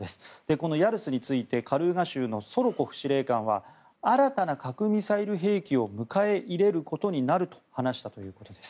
このヤルスについてカルーガ州のソロコフ司令官は新たな核ミサイル兵器を迎え入れることになると話したということです。